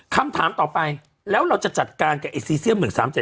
คำถามต่อไปแล้วเราจะจัดการกับไอซีเซียม๑๓๗